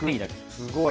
すごい。